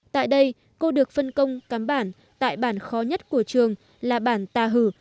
tại đây cô được phân công cắm bản tại bản khó nhất của trường là bản tà hử